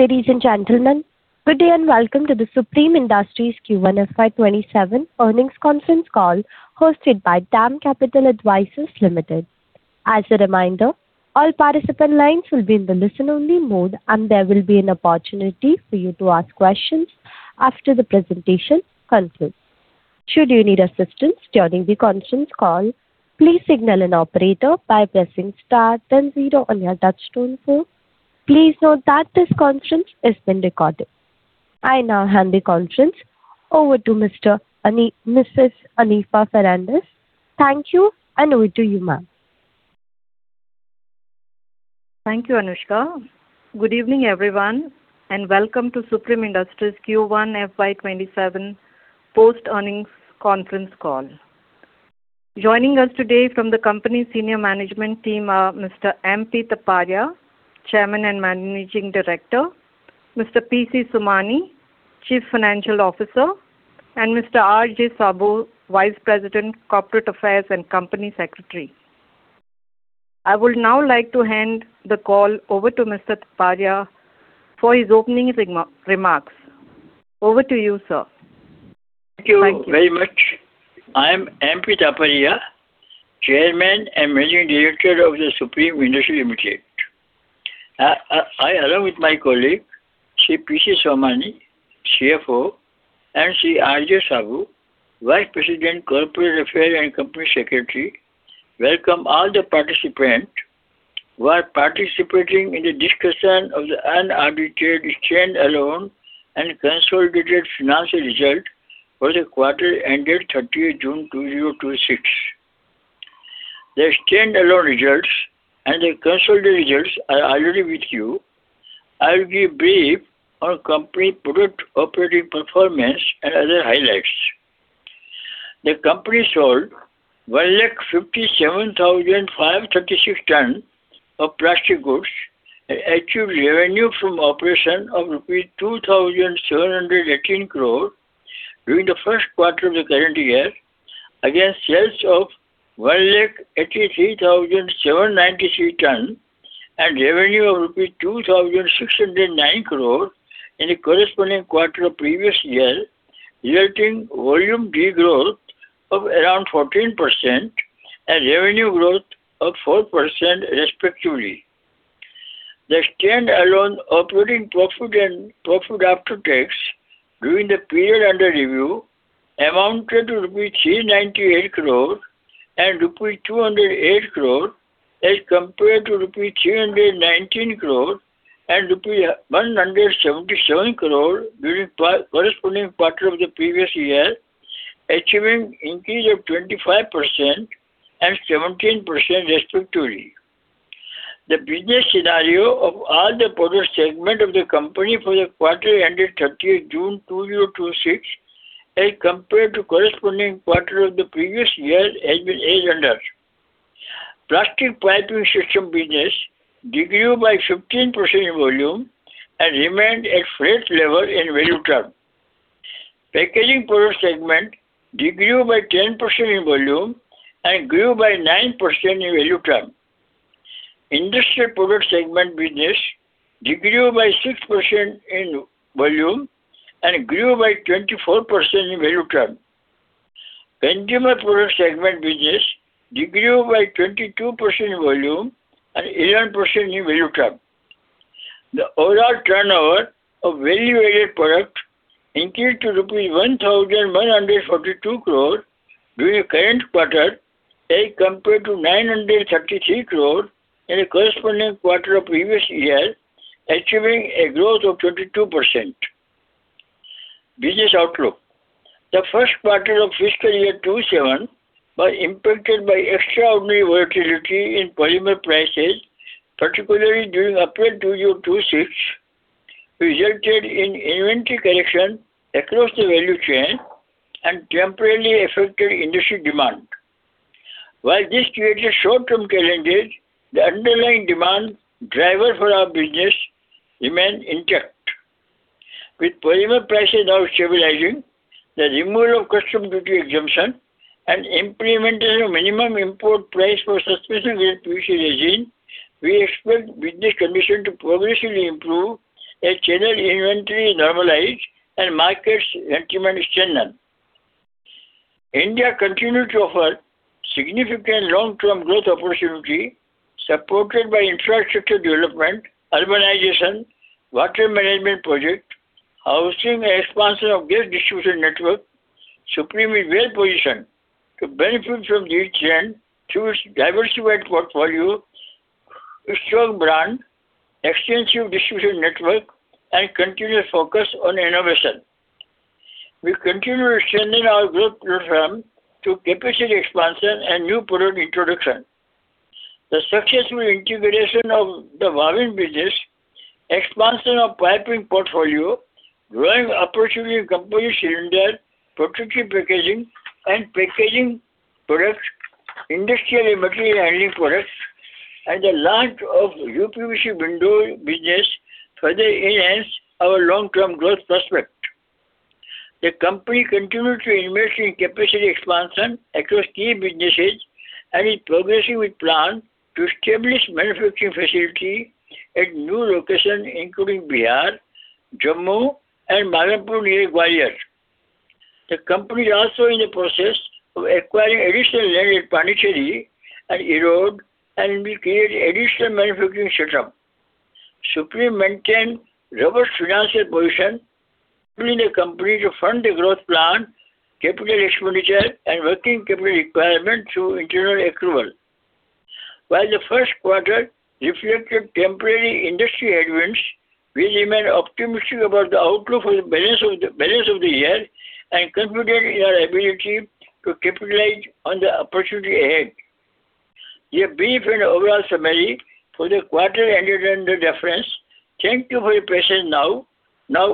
Ladies and gentlemen, good day and welcome to The Supreme Industries Q1 FY 2027 Earnings Conference Call hosted by DAM Capital Advisors Limited. As a reminder, all participant lines will be in the listen only mode. There will be an opportunity for you to ask questions after the presentation concludes. Should you need assistance during the conference call, please signal an operator by pressing star then zero on your touchtone phone. Please note that this conference is being recorded. I now hand the conference over to Mrs. Anifa Fernandes. Thank you, and over to you, ma'am. Thank you, Anushka. Good evening, everyone, and welcome to The Supreme Industries Q1 FY 2027 post earnings conference call. Joining us today from the company senior management team are Mr. M. P. Taparia, Chairman and Managing Director, Mr. P. C. Somani, Chief Financial Officer, and Mr. R. J. Saboo, Vice President, Corporate Affairs and Company Secretary. I would now like to hand the call over to Mr. Taparia for his opening remarks. Over to you, sir. Thank you very much. I'm M. P. Taparia, Chairman and Managing Director of The Supreme Industries Limited. I, along with my colleague, Sri P. C. Somani, CFO, and Sri R. J. Saboo, Vice President, Corporate Affairs and Company Secretary, welcome all the participants who are participating in the discussion of the unaudited standalone and consolidated financial result for the quarter ended 30th June 2026. The standalone results and the consolidated results are already with you. I'll give brief on company product operating performance and other highlights. The company sold 157,536 tons of plastic goods and achieved revenue from operation of rupee 2,718 crore during the first quarter of the current year, against sales of 183,793 tons and revenue of rupees 2,609 crore in the corresponding quarter previous year, yielding volume degrowth of around 14% and revenue growth of 4% respectively. The standalone operating profit and profit after tax during the period under review amounted to rupees 398 crore and rupees 208 crore as compared to rupees 319 crore and rupees 177 crore during corresponding quarter of the previous year, achieving increase of 25% and 17% respectively. The business scenario of all the product segment of the company for the quarter ended 30th June 2026, as compared to corresponding quarter of the previous year, has been as under. Plastic piping system business decreased by 15% in volume and remained at flat level in value term. Packaging product segment decreased by 10% in volume and grew by 9% in value term. Industrial product segment business decreased by 6% in volume and grew by 24% in value term. Consumer product segment business decreased by 22% in volume and 11% in value term. The overall turnover of value-added product increased to rupees 1,142 crore during the current quarter as compared to 933 crore in the corresponding quarter of previous year, achieving a growth of 22%. Business outlook. The first quarter of fiscal year 2027 was impacted by extraordinary volatility in polymer prices, particularly during April 2026, resulted in inventory correction across the value chain and temporarily affected industry demand. While this created short-term challenges, the underlying demand driver for our business remained intact. With polymer prices now stabilizing, the removal of custom duty exemption, and implementation of minimum import price for suspension grade PVC regime, we expect business conditions to progressively improve as general inventory normalize and markets sentiment strengthen. India continues to offer significant long-term growth opportunity, supported by infrastructure development, urbanization, water management project, housing, and expansion of gas distribution network. Supreme is well-positioned to benefit from these trends through its diversified portfolio, its strong brand, extensive distribution network, and continuous focus on innovation. We continue strengthening our growth platform through capacity expansion and new product introduction. The successful integration of the Wavin business, expansion of piping portfolio, growing opportunity in composite cylinder, protective packaging, and packaging products, industrial and material handling products, and the launch of uPVC window business further enhance our long-term growth prospects. The company continued to invest in capacity expansion across key businesses and is progressing with plans to establish manufacturing facility at new locations, including Bihar, Jammu, and Malanpur near Gwalior. The company is also in the process of acquiring additional land in Pondicherry and Erode and will create additional manufacturing setup. Supreme maintains a robust financial position, enabling the company to fund the growth plan, capital expenditure, and working capital requirements through internal accrual. While the first quarter reflected temporary industry headwinds, we remain optimistic about the outlook for the balance of the year and confident in our ability to capitalize on the opportunity ahead. This is a brief and overall summary for the quarter ended on the reference. Thank you for your patience. Now,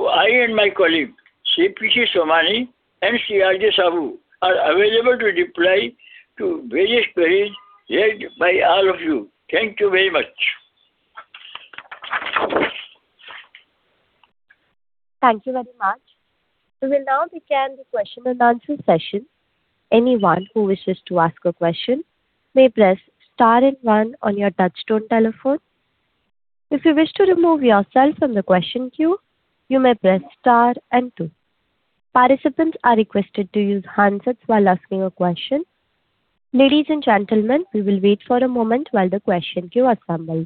I and my colleague, Shri P.C. Somani and R.J. Saboo, are available to reply to various queries raised by all of you. Thank you very much. Thank you very much. We will now begin the question and answer session. Anyone who wishes to ask a question may press star and one on your touchtone telephone. If you wish to remove yourself from the question queue, you may press star and two. Participants are requested to use handsets while asking a question. Ladies and gentlemen, we will wait for a moment while the question queue assembles.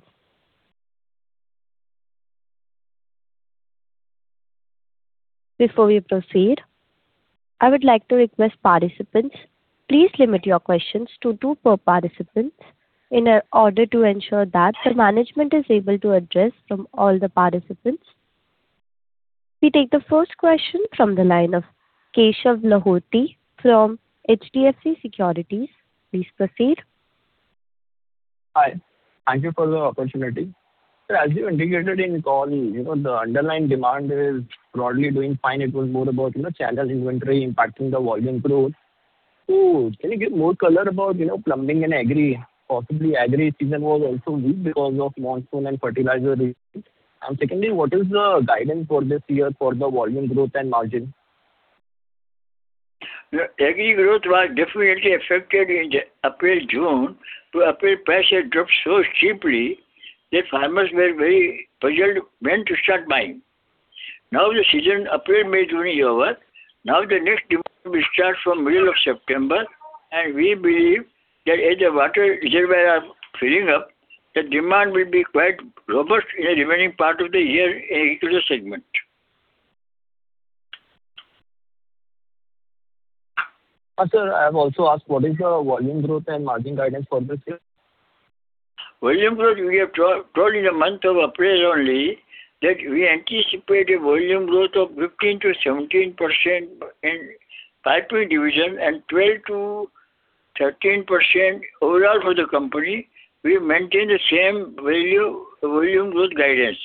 Before we proceed, I would like to request participants, please limit your questions to two per participant in order to ensure that the management is able to address from all the participants. We take the first question from the line of Keshav Lahoti from HDFC Securities. Please proceed. Hi. Thank you for the opportunity. Sir, as you indicated in the call, the underlying demand is broadly doing fine. It was more about channel inventory impacting the volume growth. Two, can you give more color about plumbing and agri? Possibly agri season was also weak because of monsoon and fertilizer issues. Secondly, what is the guidance for this year for the volume growth and margin? The agri growth was definitely affected in the April-June. The April prices dropped so steeply that farmers were very puzzled when to start buying. The season, April, May, June is over. The next demand will start from middle of September. We believe that as the water reservoir are filling up, the demand will be quite robust in the remaining part of the year in the segment. Yes, sir. I have also asked what is your volume growth and margin guidance for this year? Volume growth, we have told in the month of April only that we anticipate a volume growth of 15%-17% in pipe division and 12%-13% overall for the company. We maintain the same volume growth guidance.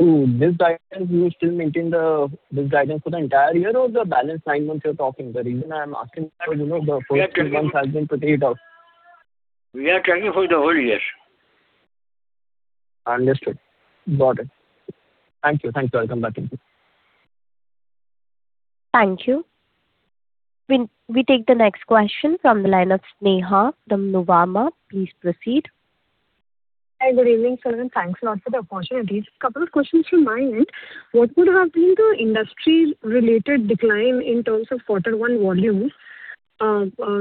This guidance, do you still maintain this guidance for the entire year or the balance nine months you're talking? The reason I'm asking, you know, the first three months have been pretty tough. We are tracking for the whole year. Understood. Got it. Thank you. Thank you all. Come back in queue. Thank you. We take the next question from the line of Sneha from Nuvama. Please proceed. Hi, good evening, sir, and thanks a lot for the opportunity. Just a couple of questions from my end. What would have been the industry-related decline in terms of quarter one volumes?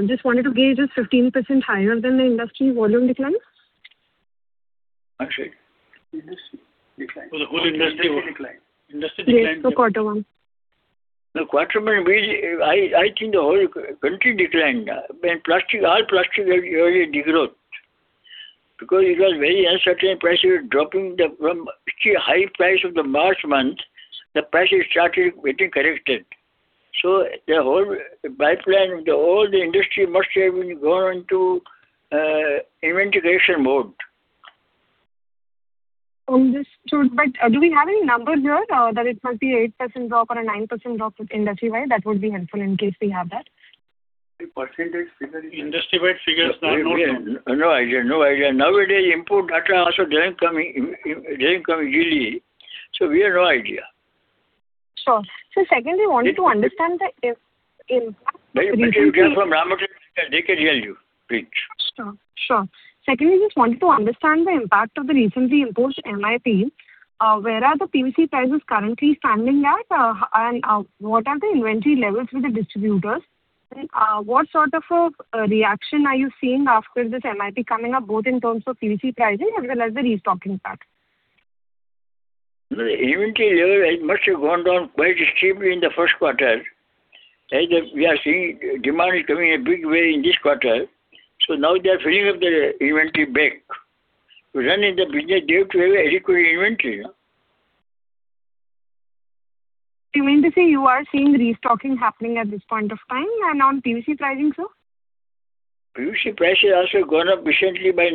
Just wanted to gauge, is 15% higher than the industry volume decline? Actually, industry decline. For the whole industry decline. Yes, for quarter one. No, quarter one, I think the whole country declined. All plastic had early degrowth because it was very uncertain, prices were dropping from extremely high price of the March month, the prices started getting corrected. The whole pipeline, all the industry must have gone into inventory creation mode. Understood. Do we have any numbers here, that it must be 8% drop or a 9% drop industry-wide? That would be helpful in case we have that. Percentage figure is. Industry-wide figures are not known. No idea. Nowadays, import data also didn't come easily. We have no idea. Sure. Sir, secondly, wanted to understand the impact. You can confirm Ramakant, they can tell you. Please. Sure. Secondly, just wanted to understand the impact of the recently imposed MIP. Where are the PVC prices currently standing at? What are the inventory levels with the distributors? What sort of a reaction are you seeing after this MIP coming up, both in terms of PVC pricing as well as the restocking part? The inventory level must have gone down quite steeply in the first quarter, as we are seeing demand is coming a big way in this quarter. Now they are filling up the inventory back. To run the business, they have to have adequate inventory. You mean to say you are seeing restocking happening at this point of time and on PVC pricing, sir? PVC prices also gone up recently by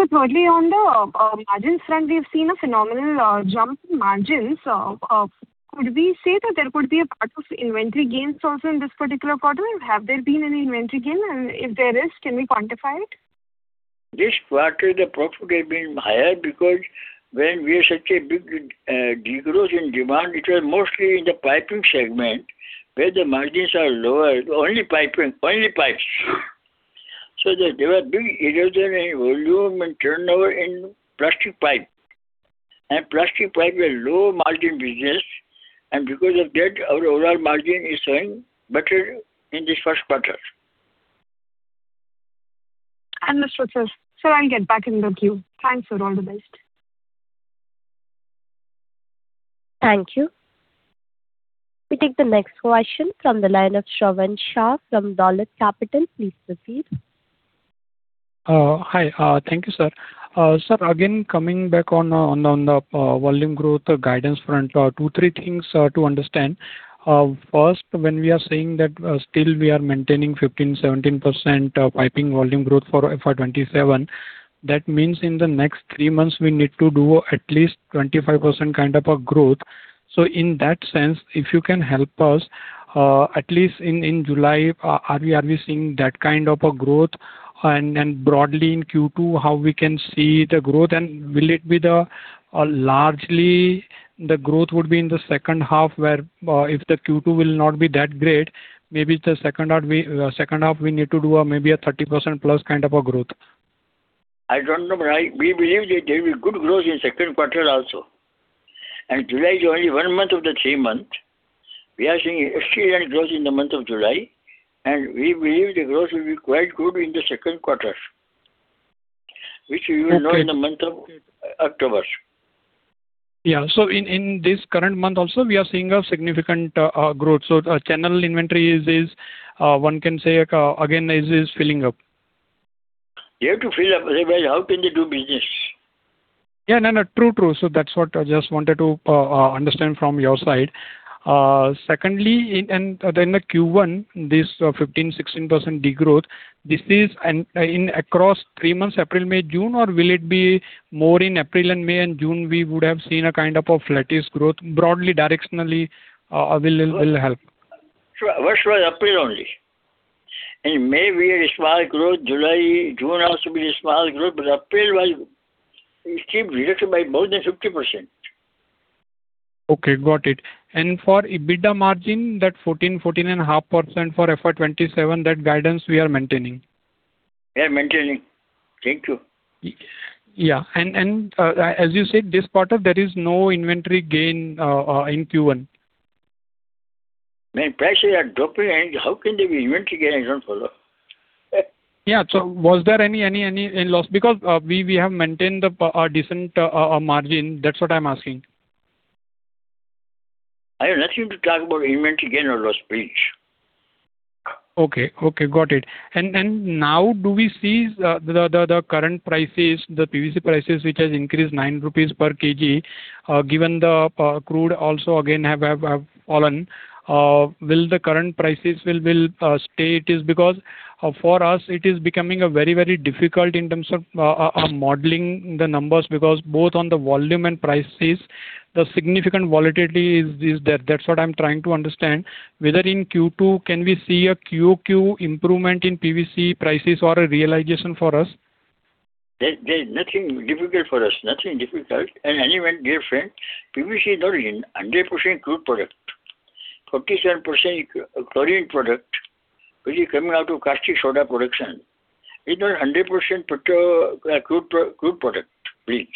INR 9/kg. Thirdly, on the margins front, we've seen a phenomenal jump in margins. Could we say that there could be a part of inventory gains also in this particular quarter? Have there been any inventory gain? If there is, can we quantify it? This quarter, the profit has been higher because when we have such a big decrease in demand, it was mostly in the piping segment where the margins are lower. Only pipes. There was big erosion in volume and turnover in plastic pipe. Plastic pipe is a low margin business, and because of that, our overall margin is showing better in this first quarter. That's what it says. Sir, I'll get back in with you. Thanks, sir. All the best. Thank you. We take the next question from the line of Shravan Shah from Dolat Capital. Please proceed. Hi. Thank you, sir. Sir, again, coming back on the volume growth guidance front, two, three things to understand. First, when we are saying that still we are maintaining 15%-17% piping volume growth for FY 2027, that means in the next three months, we need to do at least 25% kind of a growth. In that sense, if you can help us, at least in July, are we seeing that kind of a growth? Broadly in Q2, how we can see the growth? Will it be largely the growth would be in the second half, where if the Q2 will not be that great, maybe the second half, we need to do maybe a 30%+ kind of a growth. I don't know. We believe that there will be good growth in second quarter also. July is only one month of the three months. We are seeing excellent growth in the month of July, and we believe the growth will be quite good in the second quarter, which you will know in the month of October. Yeah. In this current month also, we are seeing a significant growth. Channel inventory is, one can say again, is filling up. They have to fill up. Otherwise, how can they do business? Yeah. No, true. That's what I just wanted to understand from your side. Secondly, in Q1, this 15%-16% degrowth, this is across three months, April, May, June, or will it be more in April and May, and June we would have seen a kind of a flattish growth? Broadly, directionally will help. Worse was April only. In May, we had a small growth. June also will be a small growth, but April was it came reduced by more than 50%. Okay, got it. For EBITDA margin, that 14%, 14.5% for FY 2027, that guidance we are maintaining? We are maintaining. Thank you. Yeah. As you said, this quarter there is no inventory gain in Q1. When prices are dropping, how can there be inventory gains? I don't follow. Yeah. Was there any loss? Because we have maintained a decent margin. That's what I'm asking. I have nothing to talk about inventory gain or loss, please. Okay. Got it. Now, do we see the current PVC prices, which has increased 9 rupees/kg, given the crude also again have fallen. Will the current prices will stay it is because for us it is becoming very difficult in terms of modeling the numbers, because both on the volume and prices, the significant volatility is there. That's what I'm trying to understand, whether in Q2 can we see a QoQ improvement in PVC prices or a realization for us? There's nothing difficult for us. Nothing difficult. Anyway, dear friend, PVC is not a 100% crude product. 47% is chlorine product, which is coming out of caustic soda production. It's not 100% crude product, please.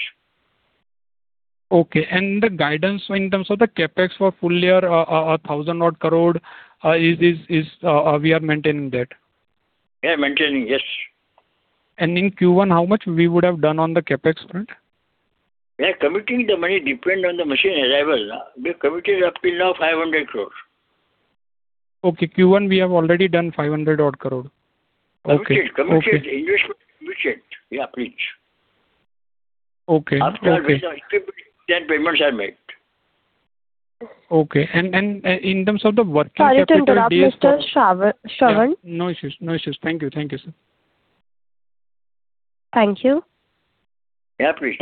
Okay. The guidance in terms of the CapEx for full year, 1,000 crore odd, we are maintaining that? Maintaining. Yes. In Q1, how much we would have done on the CapEx front? Committing the money depend on the machine arrival. We've committed up till now 500 crore. Q1 we have already done 500 crore odd. Okay. Committed investment. Yeah, please. Okay. After the equipment, payments are made. Okay. In terms of the working capital? Sorry to interrupt, Mr. Shravan. Yeah, no issues. Thank you, sir. Thank you. Yeah, please.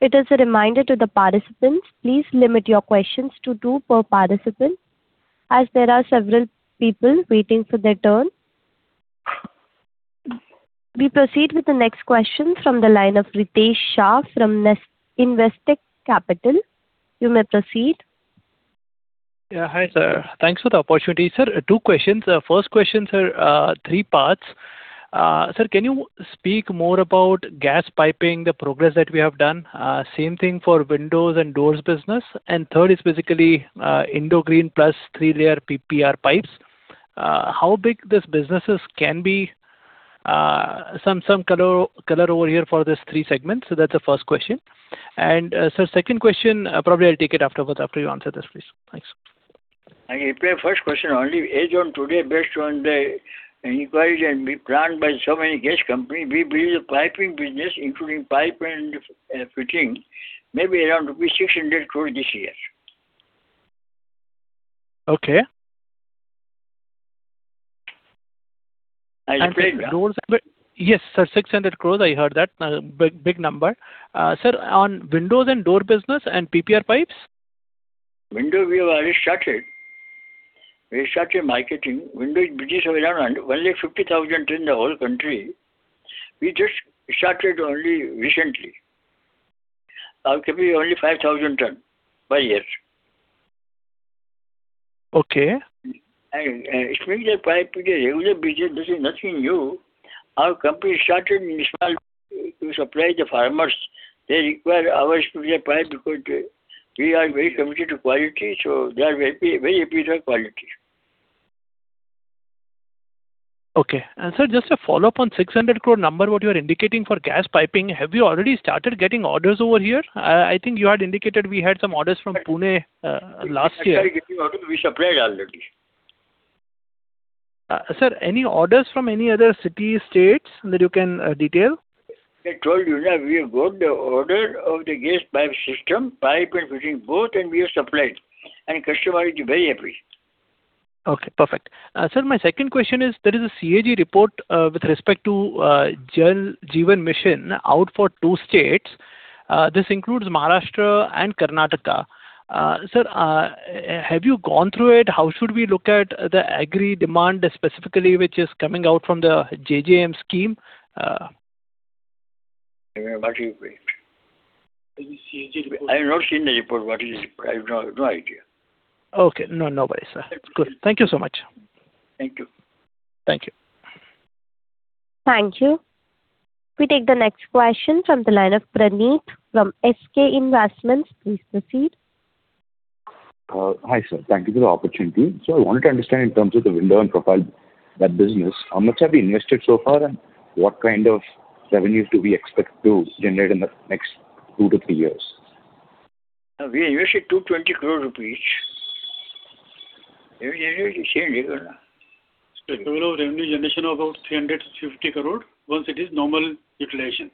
It is a reminder to the participants, please limit your questions to two per participant, as there are several people waiting for their turn. We proceed with the next question from the line of Ritesh Shah from Investec Capital. You may proceed. Yeah. Hi, sir. Thanks for the opportunity. Sir, two questions. First question, sir, three parts. Sir, can you speak more about gas piping, the progress that we have done? Same thing for windows and doors business. Third is basically Indo Green Plus 3 Layer PPR pipes. How big these businesses can be? Some color over here for these three segments. That's the first question. Sir, second question, probably I'll take it afterwards after you answer this, please. Thanks. I'll reply first question only. As on today, based on the inquiries and plan by so many gas company, we believe the piping business, including pipe and fitting, may be around 600 crore this year. Okay. I repeat. Yes, sir, 600 crore, I heard that. Big number. Sir, on windows and door business and PPR pipes? Window we have already started. We started marketing when the British were around, only 50,000 tons in the whole country. We just started only recently. Our capacity only 5,000 tons per year. Okay. Spring pipe is a regular business. This is nothing new. Our company started small to supply the farmers. They require our spring pipe because we are very committed to quality, so they are very happy with our quality. Okay. Sir, just a follow-up on 600 crore number, what you are indicating for gas piping, have you already started getting orders over here? I think you had indicated we had some orders from Pune last year. We started getting orders, we supplied already. Sir, any orders from any other city states that you can detail? I told you that we have got the order of the gas pipe system, pipe and fitting both, and we have supplied. Customer is very happy. Okay, perfect. Sir, my second question is, there is a CAG report with respect to Jal Jeevan Mission out for two states. This includes Maharashtra and Karnataka. Sir, have you gone through it? How should we look at the agri demand specifically, which is coming out from the JJM scheme? What do you mean? CAG report. I've not seen the report. What is the report? I have no idea. Okay. No worry, sir. Good. Thank you so much. Thank you. Thank you. Thank you. We take the next question from the line of Praneet from SK Investments. Please proceed. Hi, sir. Thank you for the opportunity. I wanted to understand in terms of the window and profile, that business, how much have we invested so far, and what kind of revenues do we expect to generate in the next two to three years? We invested 220 crore rupees. [audio distprtion]. Revenue generation of about 350 crore, once it is normal utilization.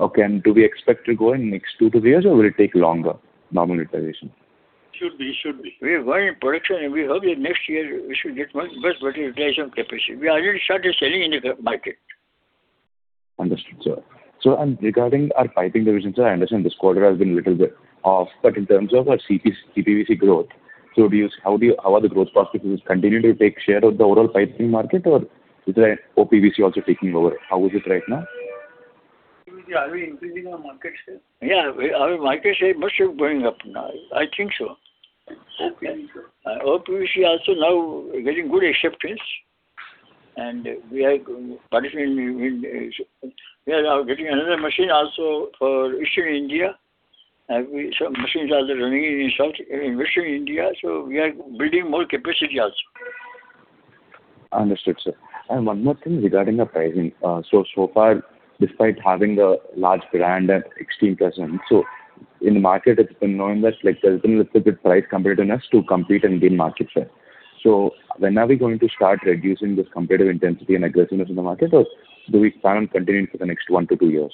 Okay. Do we expect to go in next two to three years or will it take longer, normal utilization? Should be. We went in production we hope that next year we should get much better utilization capacity. We already started selling in the market. Understood, sir. Regarding our piping division, sir, I understand this quarter has been little bit off, but in terms of our CPVC growth, how are the growth prospects? Will this continue to take share of the overall piping market or is OPVC also taking over? How is it right now? Are we increasing our market share? Yeah, our market share must be going up now. I think so. Okay. OPVC also now getting good acceptance. We are now getting another machine also for eastern India. We saw machines are running in western India. We are building more capacity also. Understood, sir. One more thing regarding our pricing. So far despite having a large brand and extreme presence, so in the market it's been known that there's been little bit price competitiveness to compete and gain market share. When are we going to start reducing this competitive intensity and aggressiveness in the market, or do we plan on continuing for the next one to two years?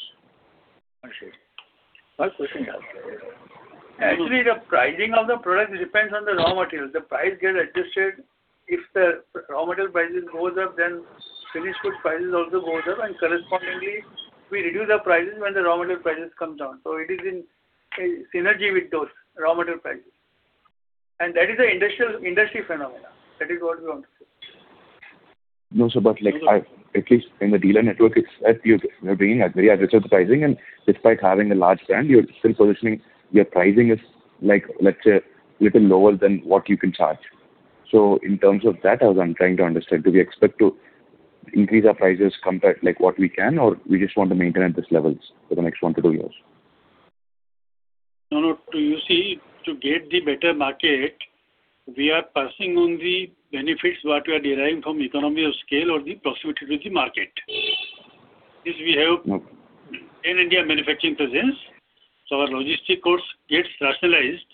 Actually, the pricing of the product depends on the raw materials. The price gets adjusted. If the raw material prices goes up, then finished goods prices also goes up, and correspondingly, we reduce the prices when the raw material prices comes down. It is in synergy with those raw material prices. That is a industry phenomenon. That is what we want to say. No, sir, at least in the dealer network, you're bringing very aggressive pricing, and despite having a large brand, you're still positioning your pricing is, let's say, little lower than what you can charge. In terms of that, I was trying to understand, do we expect to increase our prices compared what we can or we just want to maintain at this levels for the next one to two years? No. You see, to get the better market, we are passing on the benefits what we are deriving from economies of scale or the proximity to the market. Since we have in-India manufacturing presence, so our logistic cost gets rationalized,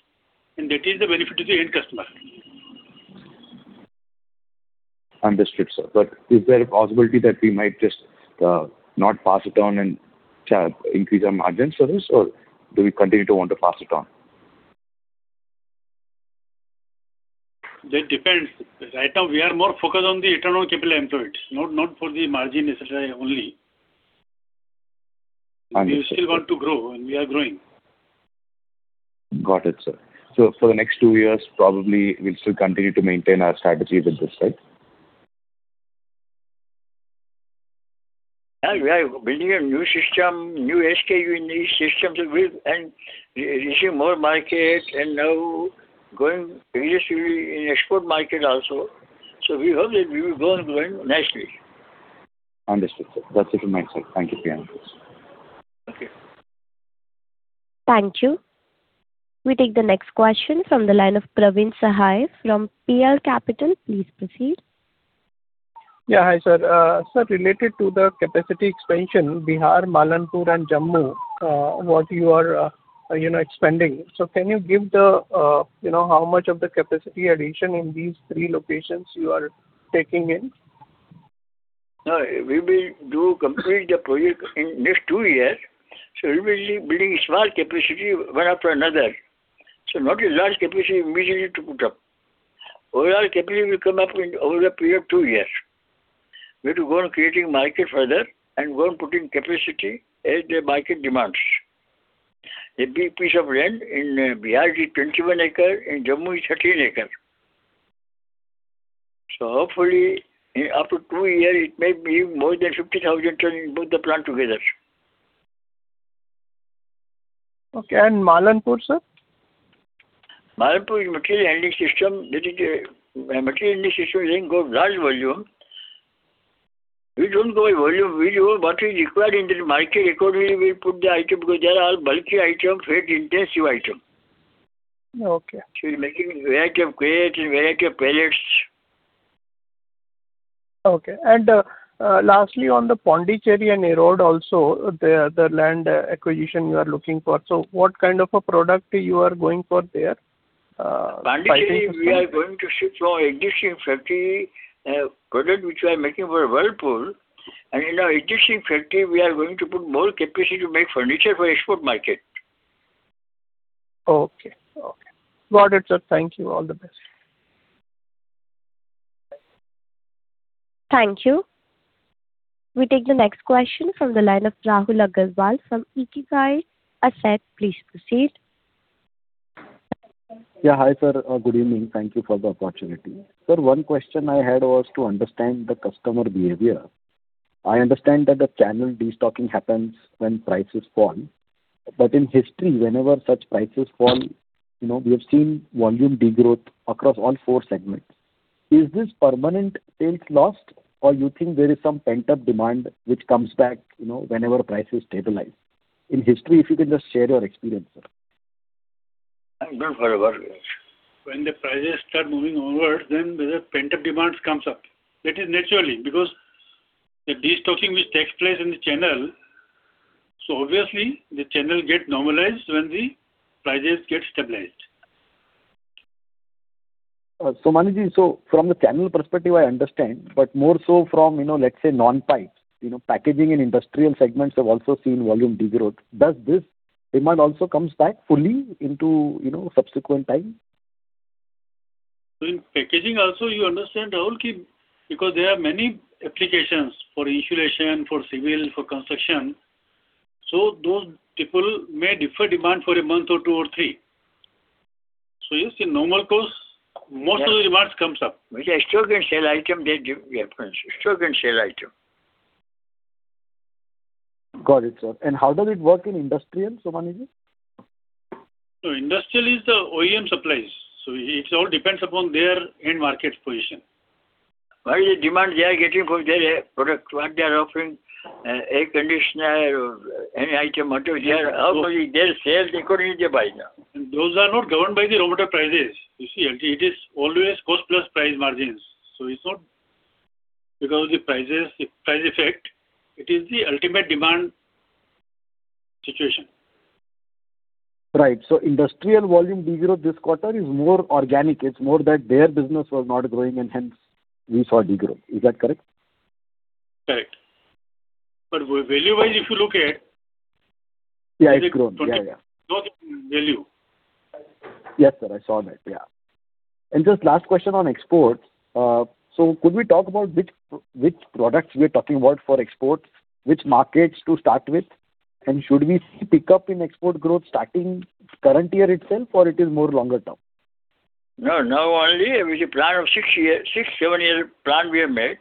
and that is the benefit to the end customer. Understood, sir. Is there a possibility that we might just not pass it on and increase our margins for this, or do we continue to want to pass it on? That depends. Right now, we are more focused on the return on capital employed, not for the margin necessarily only. Understood. We still want to grow, and we are growing. Got it, sir. For the next two years, probably we'll still continue to maintain our strategy with this, right? We are building a new system, new SKU in these systems, and reaching more market and now going vigorously in export market also. We hope that we will go on growing nicely. Understood, sir. That is it from my side. Thank you. Okay. Thank you. We take the next question from the line of Praveen Sahay from PL Capital. Please proceed. Hi, sir. Sir, related to the capacity expansion, Bihar, Malanpur and Jammu, what you are expanding. Can you give how much of the capacity addition in these three locations you are taking in? No, we will complete the project in next two years. We'll be building small capacity one after another. Not a large capacity immediately to put up. Overall capacity will come up in over a period of two years. We have to go on creating market further and go on putting capacity as the market demands. There'll be a piece of land in Bihar, 21 acres, in Jammu, 13 acres. Hopefully, after two years, it may be more than 50,000 tons in both the plants together. Okay. Malanpur, sir? Malanpur is a material handling system. That is a material handling system dealing with large volume. We don't go by volume. What is required in the market, accordingly, we'll put the item because they're all bulky items, weight-intensive items. Okay. We're making variety of crates and variety of pallets. Lastly, on the Pondicherry and Erode also, the land acquisition you are looking for. What kind of a product you are going for there? Pondicherry, we are going to shift our existing factory product, which we are making for Whirlpool, and in our existing factory, we are going to put more capacity to make furniture for export market. Okay. Got it, sir. Thank you. All the best. Thank you. We take the next question from the line of Rahul Agarwal from Ikigai Asset. Please proceed. Yeah. Hi, sir. Good evening. Thank you for the opportunity. Sir, one question I had was to understand the customer behavior. I understand that the channel destocking happens when prices fall. In history, whenever such prices fall, we have seen volume degrowth across all four segments. Is this permanent sales lost or you think there is some pent-up demand which comes back whenever prices stabilize? In history, if you can just share your experience, sir. Not forever. When the prices start moving onwards, the pent-up demands comes up. That is naturally, because the destocking which takes place in the channel, obviously the channel gets normalized when the prices get stabilized. Somani, from the channel perspective, I understand, more so from, let's say, non-pipes. Packaging and industrial segments have also seen volume degrowth. Does this demand also comes back fully into subsequent time? In packaging also, you understand, Rahul, because there are many applications for insulation, for civil, for construction. Those people may differ demand for a month or two or three. You see normal course, most of the demands comes up. Which stock and sale item they give reference. Stock and sale item. Got it, sir. How does it work in industrial, Somani? Industrial is the OEM supplies, so it all depends upon their end market position. By the demand they are getting for their product, what they are offering, air conditioner or any item whatever they are offering, their sales accordingly they buy. Those are not governed by the raw material prices. You see, it is always cost plus price margins. Because of the price effect, it is the ultimate demand situation. Right. Industrial volume degrowth this quarter is more organic. It's more that their business was not growing and hence we saw degrowth. Is that correct? Correct. The value wise if you look at. Yeah, it's grown. Yeah. Just last question on exports. Could we talk about which products we are talking about for exports, which markets to start with, and should we see pickup in export growth starting current year itself, or it is more longer term? No, now only with a plan of six, seven-year plan we have made.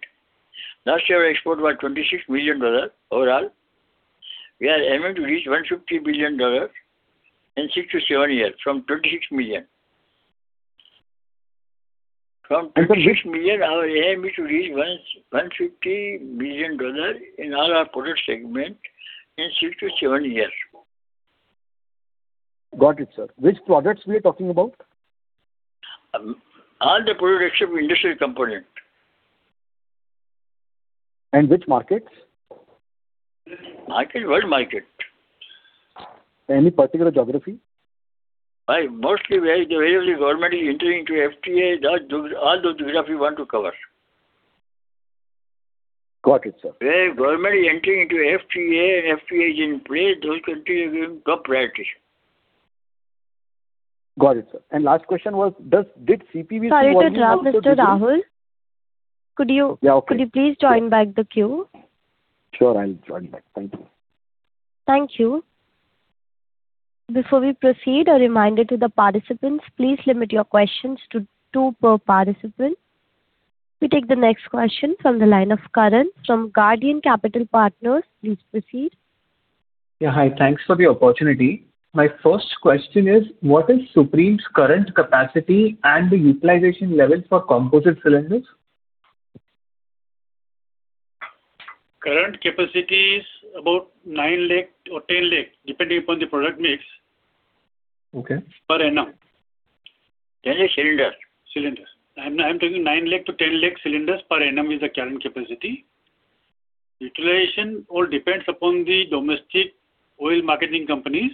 Last year export was $26 million overall. We are aiming to reach $150 million in six to seven years from $26 million. From $26 million, our aim is to reach $150 million in all our product segment in six to seven years. Got it, sir. Which products we are talking about? All the products except industrial component. Which markets? Market, world market. Any particular geography? Mostly where the Government is entering into FTA, all those geography we want to cover. Got it, sir. Where Government is entering into FTA and FTA is in place, those countries we give top priority. Got it, sir. Last question was, did CPV? Sorry to interrupt, Mr. Rahul. Yeah, okay. Could you please join back the queue? Sure, I'll join back. Thank you. Thank you. Before we proceed, a reminder to the participants, please limit your questions to two per participant. We take the next question from the line of Karan from Guardian Capital Partners. Please proceed. Yeah, hi. Thanks for the opportunity. My first question is, what is Supreme's current capacity and the utilization levels for composite cylinders? Current capacity is about 9 lakh or 10 lakh, depending upon the product mix. Okay. Per annum. That is cylinder. Cylinder. I'm telling you 9 lakh to 10 lakh cylinders per annum is the current capacity. Utilization all depends upon the domestic oil marketing companies.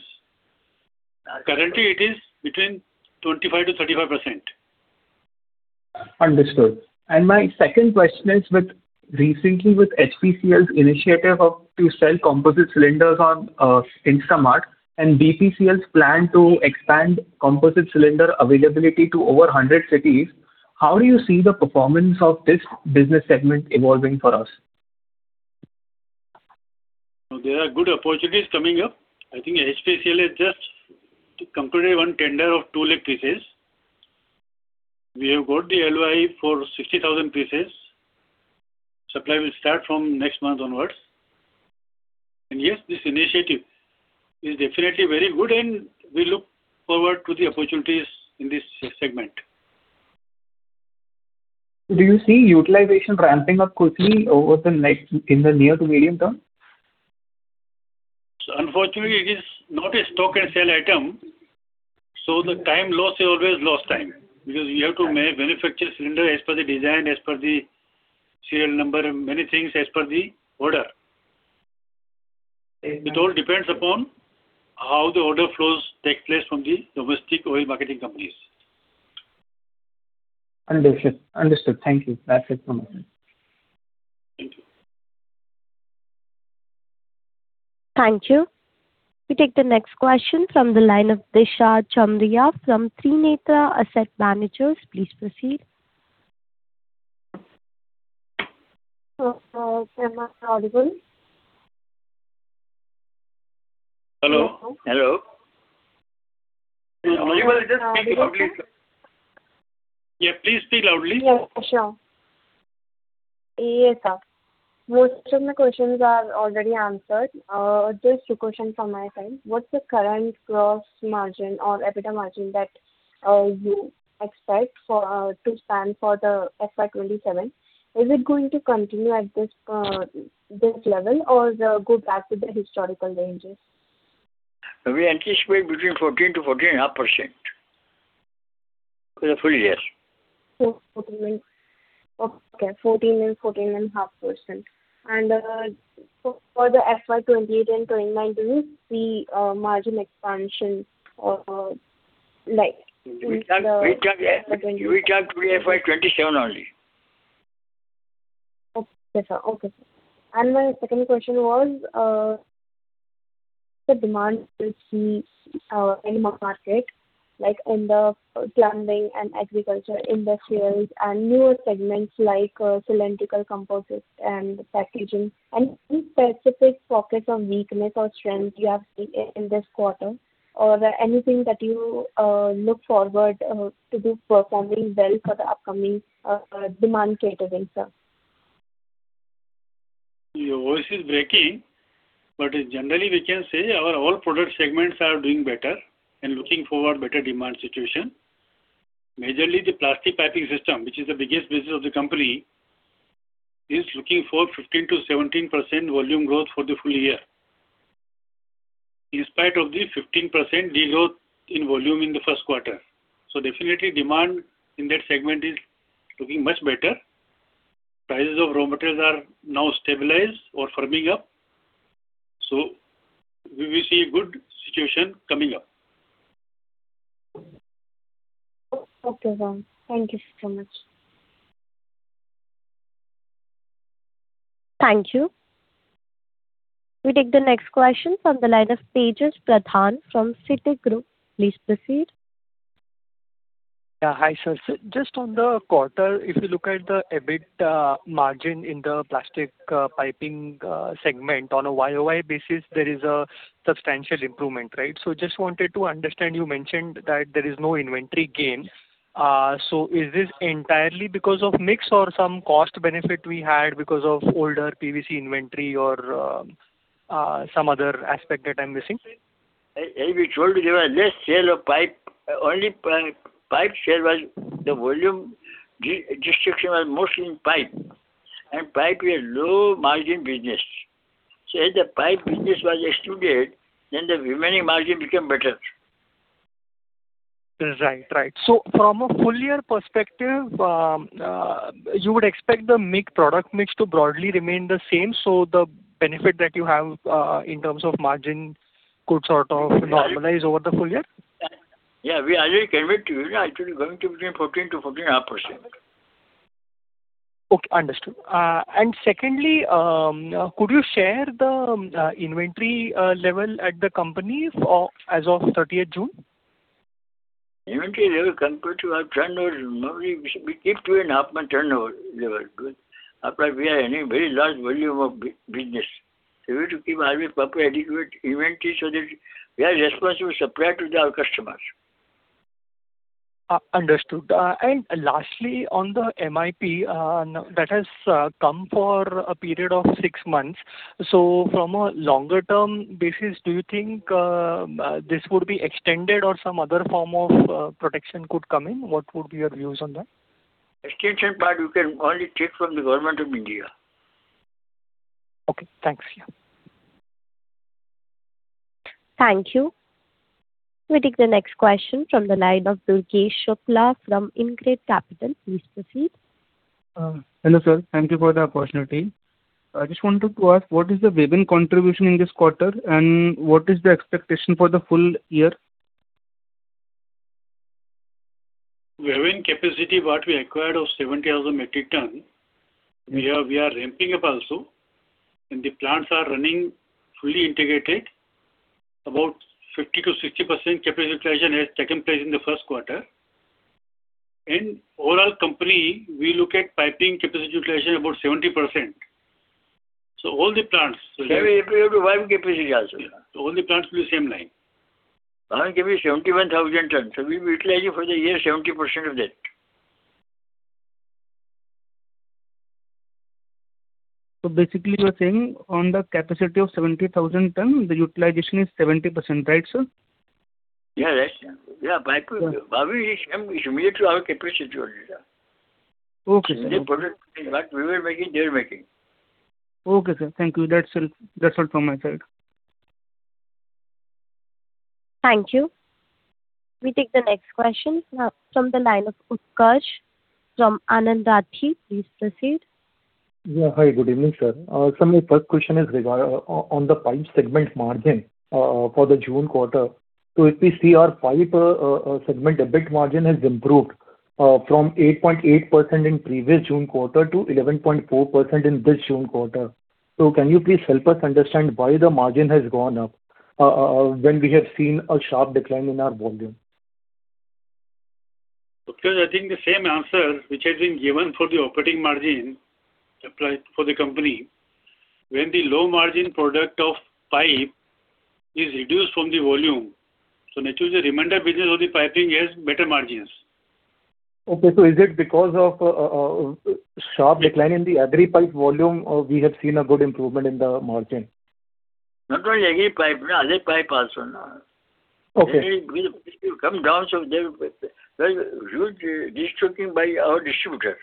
Currently, it is between 25%-35%. Understood. My second question is, recently with HPCL's initiative to sell composite cylinders on Instamart and BPCL's plan to expand composite cylinder availability to over 100 cities, how do you see the performance of this business segment evolving for us? There are good opportunities coming up. I think HPCL has just completed one tender of two lakh pieces. We have got the LOI for 60,000 pieces. Supply will start from next month onwards. Yes, this initiative is definitely very good, and we look forward to the opportunities in this segment. Do you see utilization ramping up quickly over in the near to medium term? Unfortunately, it is not a stock and sell item, so the time lost is always lost time, because you have to manufacture cylinder as per the design, as per the serial number, many things as per the order. Exactly. It all depends upon how the order flows take place from the domestic oil marketing companies. Understood. Thank you. That's it from my end. Thank you. Thank you. We take the next question from the line of Disha Chamriya from Trinetra Asset Managers. Please proceed. Hello. Am I audible? Hello. Hello. You just speaking loudly. Yeah, please speak loudly. Yeah, sure. Yes, sir. Most of my questions are already answered. Just two questions from my side. What's the current gross margin or EBITDA margin that you expect to stand for the FY 2027? Is it going to continue at this base level or go back to the historical ranges? We anticipate between 14%-14.5% for the full year. Okay, 14% and 14.5%. For the FY 2028 and FY 2029, do we see margin expansion? We talked FY 2027 only. Okay, sir. My second question was, the demand we see in market, like in the plumbing and agriculture industrials and newer segments like cylindrical composites and packaging. Any specific pockets of weakness or strength you have seen in this quarter? Anything that you look forward to be performing well for the upcoming demand categories, sir? Your voice is breaking. Generally, we can say our all product segments are doing better and looking for better demand situation. Majorly, the plastic piping system, which is the biggest business of the company, is looking for 15%-17% volume growth for the full year, in spite of the 15% degrowth in volume in the first quarter. Definitely demand in that segment is looking much better. Prices of raw materials are now stabilized or firming up. We will see a good situation coming up. Okay, sir. Thank you so much. Thank you. We take the next question from the line of Tejas Pradhan from Citigroup. Please proceed. Yeah. Hi, sir. Just on the quarter, if you look at the EBITDA margin in the plastic piping segment on a YoY basis, there is a substantial improvement, right? Just wanted to understand, you mentioned that there is no inventory gain. Is this entirely because of mix or some cost benefit we had because of older PVC inventory or some other aspect that I'm missing? As we told you, there was less sale of pipe. The volume destruction was mostly in pipe. Pipe is a low margin business. As the pipe business was extruded, then the remaining margin became better. Right. From a full year perspective, you would expect the product mix to broadly remain the same, so the benefit that you have, in terms of margin, could sort of normalize over the full year? Yeah. We already committed to you. Actually, we're going to be between 14% to 14.5%. Okay, understood. Secondly, could you share the inventory level at the company as of 30th June? Inventory level compared to our turnover, normally we keep two and a half month turnover level because we are handling very large volume of business. We have to keep proper adequate inventory so that we are responsive to supply to our customers. Understood. Lastly, on the MIP, that has come for a period of six months. From a longer term basis, do you think this could be extended or some other form of protection could come in? What would be your views on that? Extension part, you can only take from the Government of India. Okay. Thanks. Thank you. We take the next question from the line of Durgesh Shukla from InCred Capital. Please proceed. Hello, sir. Thank you for the opportunity. I just wanted to ask, what is the Wavin contribution in this quarter, and what is the expectation for the full year? Wavin capacity, what we acquired of 70,000 metric tons, we are ramping up also, and the plants are running fully integrated. About 50%-60% capitalization has taken place in the first quarter. In overall company, we look at piping capacity utilization about 70%. All the plants. 70% up to 5,000 PC also. All the plants will be same line. I'll give you 71,000 tons. We utilize it for the year, 70% of that. Basically, you're saying on the capacity of 70,000 ton, the utilization is 70%, right, sir? Yeah, that's similar to our capacity. Okay, sir. The product, what we were making, they're making. Okay, sir. Thank you. That's all from my side. Thank you. We take the next question, from the line of Utkarsh from Anand Rathi. Please proceed. Yeah. Hi, good evening, sir. My first question is on the pipe segment margin for the June quarter. If we see our pipe segment, EBIT margin has improved from 8.8% in previous June quarter to 11.4% in this June quarter. Can you please help us understand why the margin has gone up when we have seen a sharp decline in our volume? Utkarsh, I think the same answer which has been given for the operating margin applies for the company. When the low-margin product of pipe is reduced from the volume, naturally the remainder business of the piping has better margins. Okay. Is it because of a sharp decline in the agri pipe volume we have seen a good improvement in the margin? Not only agri pipe, other pipe also. Okay. It will come down. There is huge destocking by our distributor.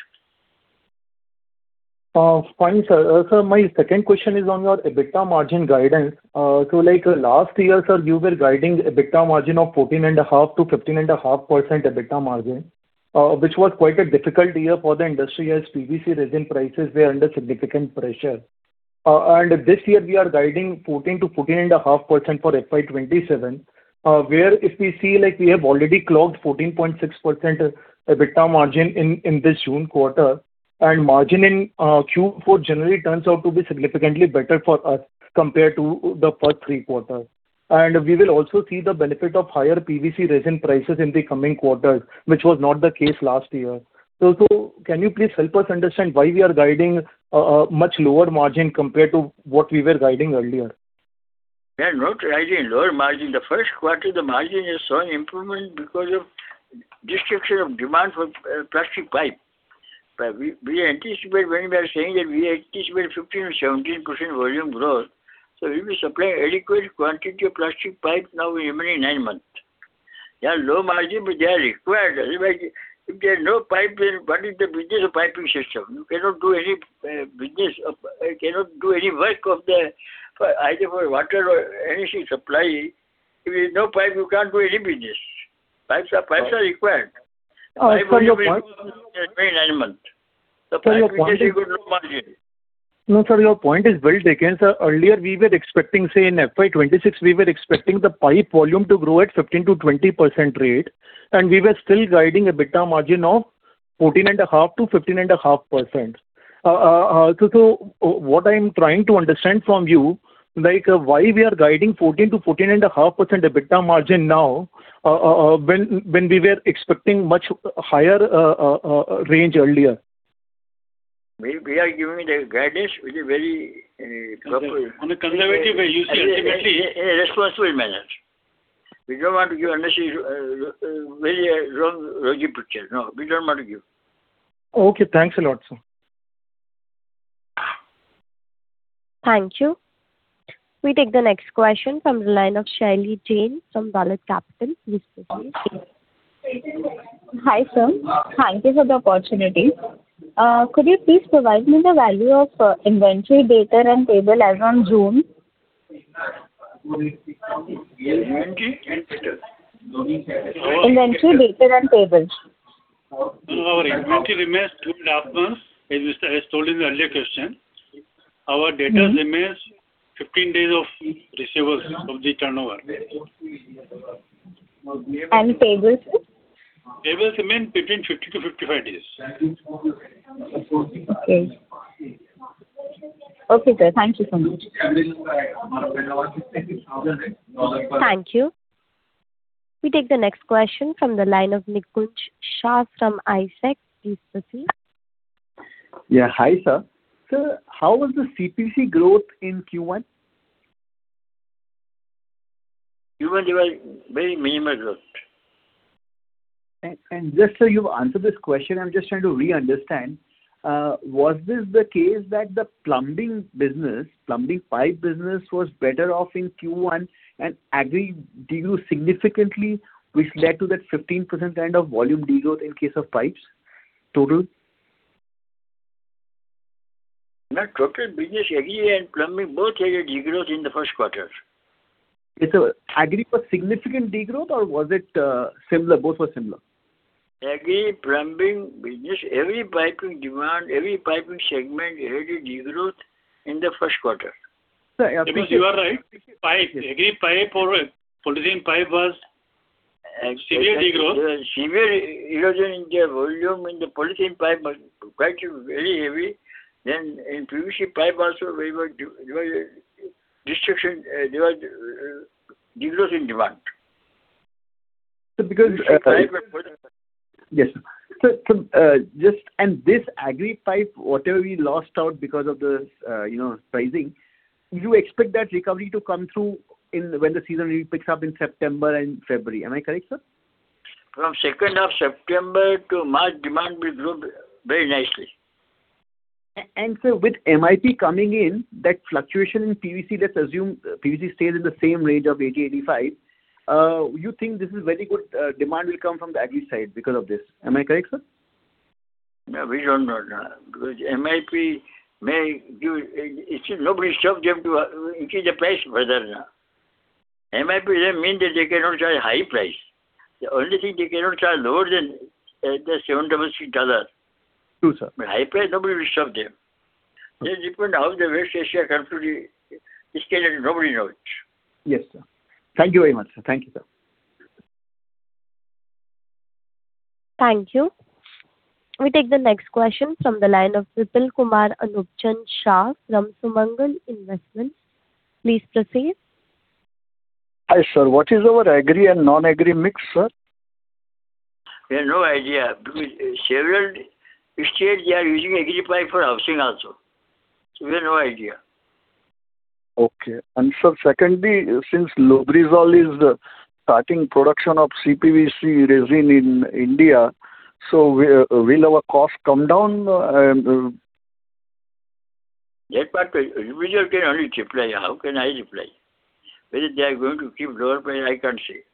Fine, sir. Sir, my second question is on your EBITDA margin guidance. Last year, sir, you were guiding EBITDA margin of 14.5%-15.5% EBITDA margin, which was quite a difficult year for the industry as PVC resin prices were under significant pressure. This year, we are guiding 14%-14.5% for FY 2027, where if we see, we have already clocked 14.6% EBITDA margin in this June quarter. Margin in Q4 generally turns out to be significantly better for us compared to the first three quarters. We will also see the benefit of higher PVC resin prices in the coming quarters, which was not the case last year. Can you please help us understand why we are guiding a much lower margin compared to what we were guiding earlier? We are not guiding lower margin. The first quarter, the margin has shown improvement because of disruption of demand for plastic pipe. We anticipate when we are saying that we anticipate 15%-17% volume growth, we will supply adequate quantity of plastic pipe now in remaining nine months. They are low margin, but they are required. Otherwise, if there is no pipe, then what is the business of piping system? You cannot do any business, cannot do any work of that, either for water or anything supply. If you have no pipe, you can't do any business. Pipes are required. Sir, your point-- nine months. The pipe business you got no margin. No, sir, your point is well taken, sir. Earlier we were expecting, say, in FY 2026, we were expecting the pipe volume to grow at 15%-20% rate, and we were still guiding EBITDA margin of 14.5%-15.5%. What I'm trying to understand from you, why we are guiding 14%-14.5% EBITDA margin now, when we were expecting much higher range earlier? We are giving the guidance with a very-- On a conservative basis. Responsible manner. We don't want to give unnecessary, very rosy picture. No, we don't want to give. Okay, thanks a lot, sir. Thank you. We take the next question from the line of Shailly Jain from Dolat Capital. Please proceed. Hi, sir. Thank you for the opportunity. Could you please provide me the value of inventory, debtor, and payable as on June? Inventory and debtor. Inventory, debtor, and payable. Our inventory remains 2.5 months, as told in the earlier question. Our debtors remains 15 days of receivers of the turnover. Payable, sir? Payable remains between 50-55 days. Okay. Okay, sir. Thank you so much. Thank you. We take the next question from the line of Nikunj Shah from I-Sec. Please proceed. Yeah. Hi, sir. Sir, how was the CPVC growth in Q1? Q1 there was very minimal growth. Just so you've answered this question, I'm just trying to re-understand. Was this the case that the plumbing pipe business was better off in Q1 and agri grew significantly, which led to that 15% kind of volume degrowth in case of pipes total? No. Total business, agri and plumbing, both had a degrowth in the first quarter. Sir, agri was significant degrowth, or was it similar, both were similar? Agri, plumbing business, every piping demand, every piping segment had a degrowth in the first quarter. You are right. Pipe, agri pipe or polythene pipe was severe degrowth. Severe erosion in the volume in the polythene pipe was quite very heavy. In PVC pipe also we were Distribution, there was decrease in demand. Sir, Yes. This agri pipe, whatever we lost out because of the pricing, you expect that recovery to come through when the season really picks up in September and February. Am I correct, sir? From second half of September to March, demand will grow very nicely. Sir, with MIP coming in, that fluctuation in PVC, let's assume PVC stays in the same range of 80-85. You think this is very good, demand will come from the agri side because of this. Am I correct, sir? No, we don't know. Because MIP may give still nobody stopped them to increase the price further now. MIP doesn't mean that they cannot charge a high price. The only thing they cannot charge lower than the $766. True, sir. High price, nobody will stop them. It depends how West Asia come to the scale and nobody knows. Yes, sir. Thank you very much, sir. Thank you, sir. Thank you. We take the next question from the line of Vipulkumar Gupchan Shah from Sumangal Investment. Please proceed. Hi, sir. What is our agri and non-agri mix, sir? We have no idea because several states they are using agri pipe for housing also. We have no idea. Okay. Sir, secondly, since Lubrizol is starting production of CPVC resin in India, will our cost come down? That part Lubrizol can only reply. How can I reply? Whether they are going to keep lower price, I can't say.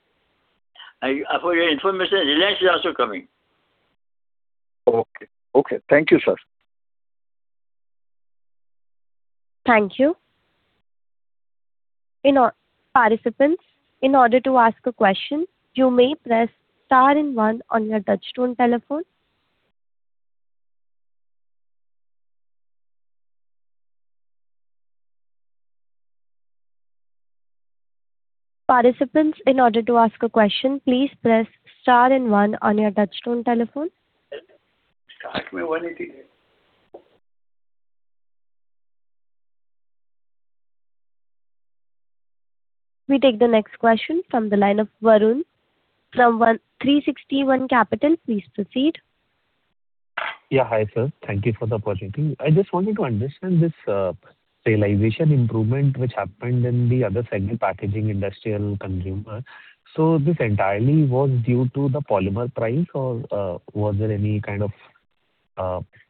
For your information, Reliance is also coming. Okay. Thank you, sir. Thank you. Participants, in order to ask a question, you may press star and one on your touchtone telephone. Participants, in order to ask a question, please press star and one on your touchtone telephone. We take the next question from the line of Varun from 360 ONE Capital. Please proceed. Yeah. Hi, sir. Thank you for the opportunity. I just wanted to understand this realization improvement which happened in the other segment, packaging, industrial, consumer. This entirely was due to the polymer price or was there any kind of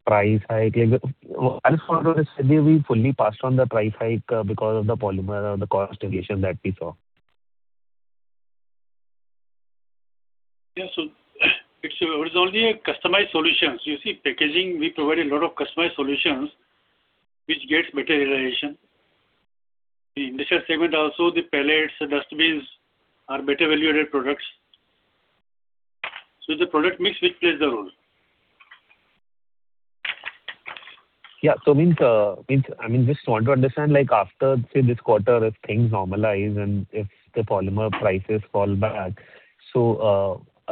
price hike? As far as we fully passed on the price hike because of the polymer or the cost inflation that we saw. Yes. It's only a customized solutions. You see, packaging, we provide a lot of customized solutions, which gets better realization. The industrial segment also, the pellets, dustbins are better value-added products. It's the product mix which plays the role. Yeah. I just want to understand, after, say, this quarter, if things normalize and if the polymer prices fall back,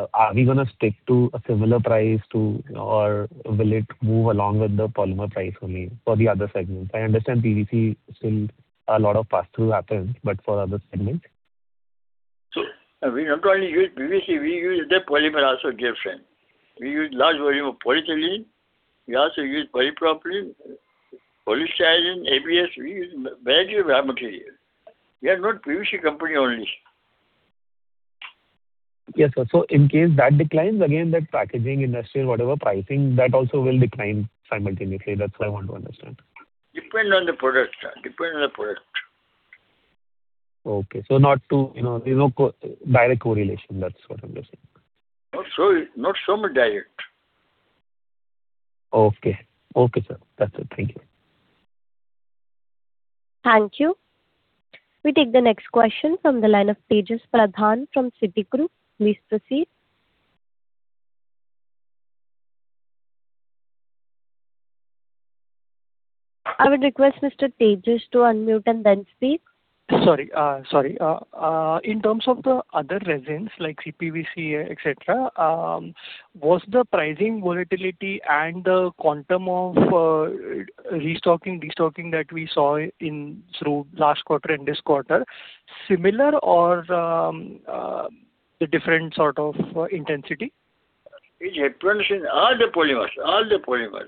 are we going to stick to a similar price or will it move along with the polymer price only for the other segments? I understand PVC still a lot of pass-through happens, but for other segments. We not only use PVC, we use other polymer also, dear friend. We use large volume of polyethylene. We also use polypropylene, polystyrene, ABS. We use variety of raw material. We are not PVC company only. Yes, sir. In case that declines again, that packaging, industrial, whatever pricing, that also will decline simultaneously. That's what I want to understand. Depend on the product. Okay. No direct correlation, that's what I'm guessing. Not so much direct. Okay. Okay, sir. That's it. Thank you. Thank you. We take the next question from the line of Tejas Pradhan from Citigroup. Please proceed. I would request Mr. Tejas to unmute and then speak. Sorry. In terms of the other resins like CPVC, et cetera, was the pricing volatility and the quantum of restocking, destocking that we saw through last quarter and this quarter similar or a different sort of intensity? It happens in all the polymers.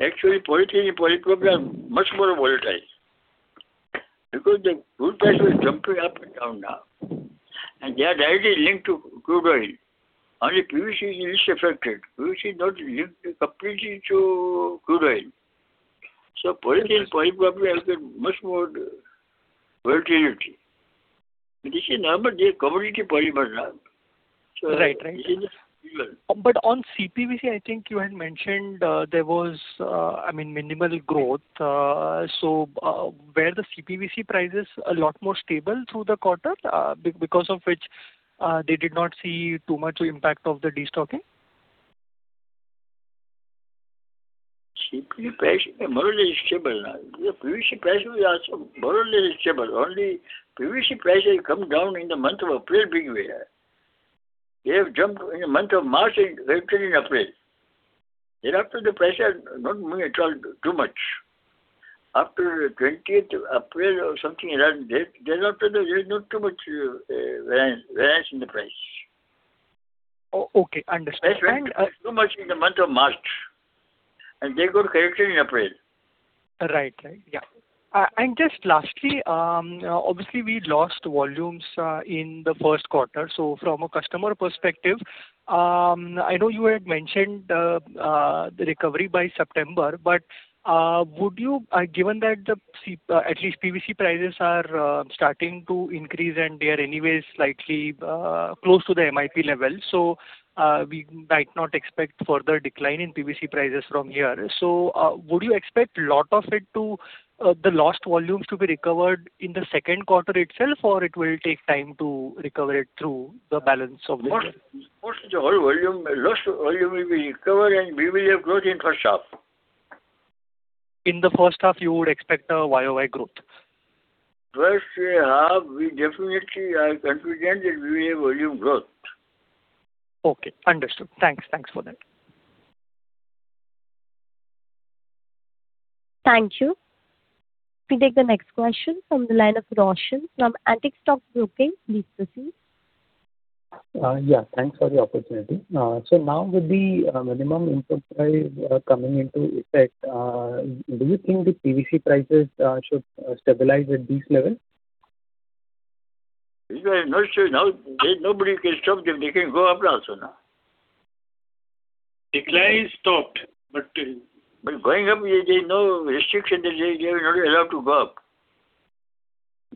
Actually, polyethylene, polypropylene are much more volatile because the crude price is jumping up and down now, and they are directly linked to crude oil. Only PVC is least affected. PVC is not linked completely to crude oil. Polyethylene, polypropylene have a much more volatility. This is normal, they're commodity polymers. Right. On CPVC, I think you had mentioned there was minimal growth. Were the CPVC prices a lot more stable through the quarter, because of which they did not see too much impact of the destocking? CPVC price is more or less stable now. The PVC price was also more or less stable. Only PVC price has come down in the month of April-May wave. They have jumped in the month of March and corrected in April. Thereafter, the prices are not moving at all too much. After 20th April or something around there, thereafter, there is not too much variance in the price. Okay, understood. Too much in the month of March, and they got corrected in April. Right. Just lastly, obviously we lost volumes in the first quarter. From a customer perspective, I know you had mentioned the recovery by September, but given that at least PVC prices are starting to increase and they are anyway slightly close to the MIP level, we might not expect further decline in PVC prices from here. Would you expect the lost volumes to be recovered in the second quarter itself, or it will take time to recover it through the balance of this year? Most of the lost volume will be recovered, and we will have growth in first half. In the first half, you would expect a YoY growth. First half, we definitely are confident that we will have volume growth. Okay, understood. Thanks for that. Thank you. We take the next question from the line of Roshan from Antique Stock Broking. Please proceed. Yeah, thanks for the opportunity. Now with the minimum import price coming into effect, do you think the PVC prices should stabilize at this level? We are not sure. Now, nobody can stop them. They can go up also now. Decline stopped but. Going up, there is no restriction that they are not allowed to go up.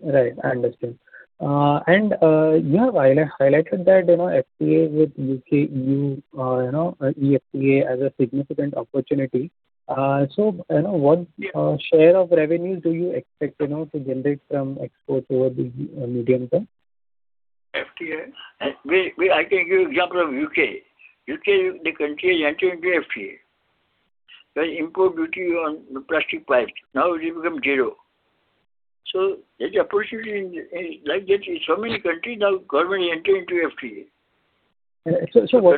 Right. I understand. You have highlighted that FTA with U.K., EFTA as a significant opportunity. What share of revenue do you expect to generate from exports over the medium term? FTA. I can give you example of U.K. U.K., the country has entered into FTA, where import duty on plastic pipes, now it become zero. There's opportunity, like that in so many countries now government entered into FTA. What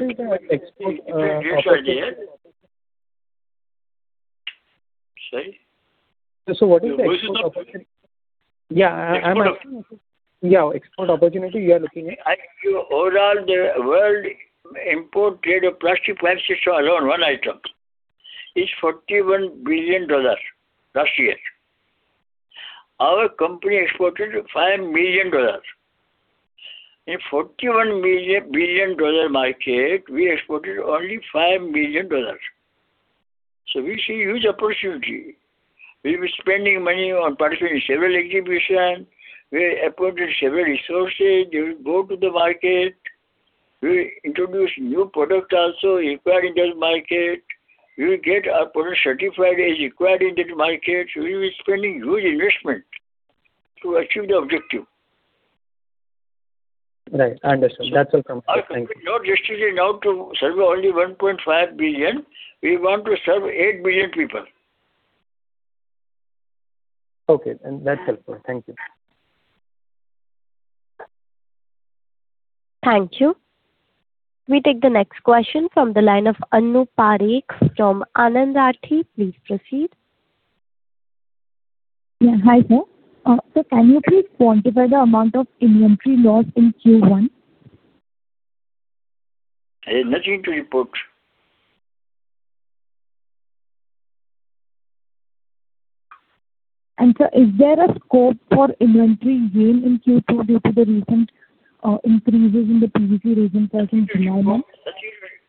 is the export opportunity? Sorry. What is the export opportunity you are looking at? Overall, the world import trade of plastic pipes itself, alone one item, is $41 billion last year. Our company exported $5 million. In $41 billion market, we exported only $5 million. We see huge opportunity. We'll be spending money on participating in several exhibitions. We appointed several resources. They will go to the market. We will introduce new product also required in that market. We will get our product certified as required in that market. We will be spending huge investment to achieve the objective. Right. I understand. That's helpful. Thank you. Our company not restricted now to serve only 1.5 billion, we want to serve 8 billion people. Okay, that's helpful. Thank you. Thank you. We take the next question from the line of Anu Parakh from Anand Rathi. Please proceed. Yeah. Hi, sir. Can you please quantify the amount of inventory loss in Q1? Nothing to report. Sir, is there a scope for inventory gain in Q2 due to the recent increases in the PVC resin price in July month?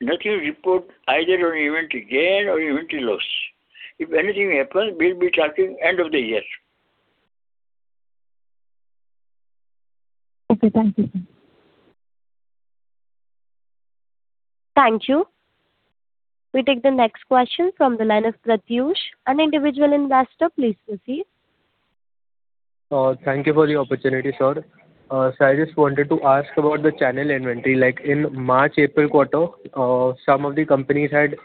Nothing report either on inventory gain or inventory loss. If anything happens, we'll be talking end of the year. Okay. Thank you, sir. Thank you. We take the next question from the line of Pratyush, an individual investor. Please proceed. Thank you for the opportunity, sir. I just wanted to ask about the channel inventory. Like in March, April quarter, some of the companies had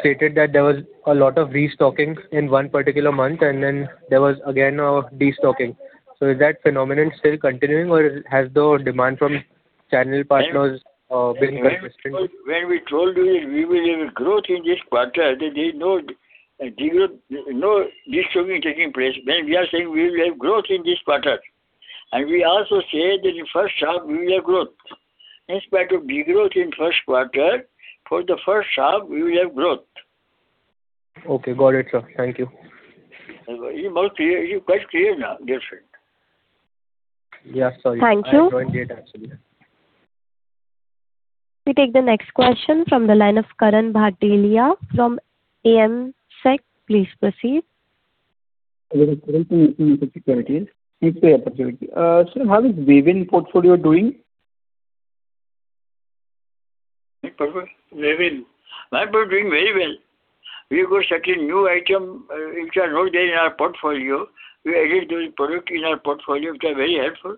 stated that there was a lot of restocking in one particular month, and then there was again a destocking. Is that phenomenon still continuing or has the demand from channel partners been consistent? When we told you we will have a growth in this quarter, there's no destocking taking place. When we are saying we will have growth in this quarter, and we also said that in first half we will have growth. In spite of degrowth in first quarter, for the first half, we will have growth. Okay, got it, sir. Thank you. It's quite clear now, different. Yeah, sorry. Thank you. I joined late, actually. We take the next question from the line of Karan Bhatelia from AMSEC. Please proceed. Good afternoon. Thanks for the opportunity. Sir, how is Wavin portfolio doing? Wavin? Wavin doing very well. We got certain new item, which are not there in our portfolio. We added those product in our portfolio, which are very helpful.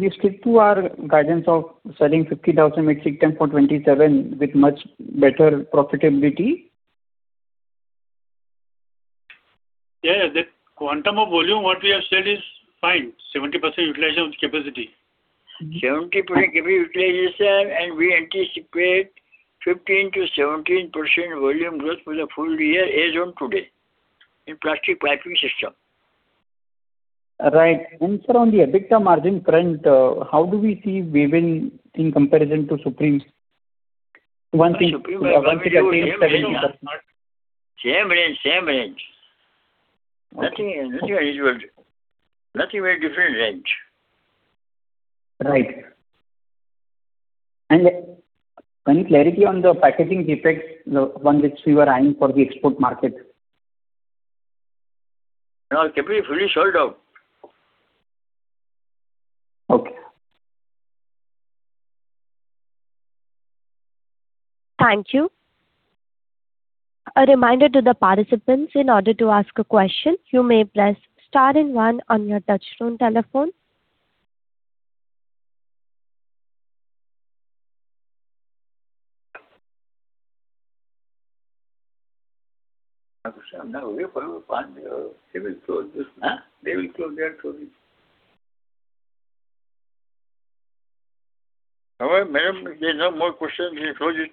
We stick to our guidance of selling 50,000 metric ton for FY 2027 with much better profitability? Yeah, the quantum of volume what we have said is fine, 70% utilization of capacity. 70% capacity utilization. We anticipate 15%-17% volume growth for the full year as on today in plastic piping system. Right. Sir, on the EBITDA margin front, how do we see within in comparison to Supreme? Same range. Nothing of a different range. Right. Any clarity on the packaging defects, the one which we were eyeing for the export market? No, completely, fully sold out. Okay. Thank you. A reminder to the participants, in order to ask a question, you may press star and one on your touchtone telephone. They will close that. Now, madam, there's no more question. We close it.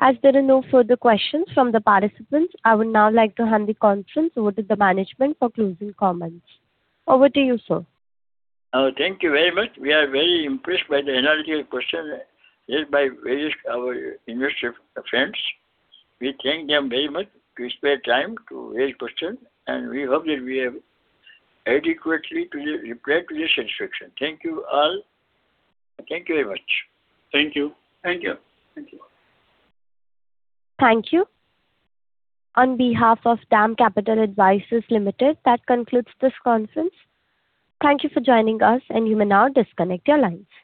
As there are no further questions from the participants, I would now like to hand the conference over to the management for closing comments. Over to you, sir. Thank you very much. We are very impressed by the analytical question asked by various industry friends. We thank them very much to spare time to ask question. We hope that we have adequately replied to your satisfaction. Thank you all. Thank you very much. Thank you. Thank you. Thank you. On behalf of DAM Capital Advisors Limited, that concludes this conference. Thank you for joining us, and you may now disconnect your lines.